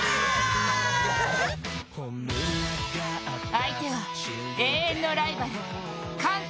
相手は永遠のライバル韓国。